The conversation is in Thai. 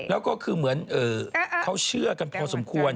แล้วก็คือเหมือนเขาเชื่อกันพอสมควร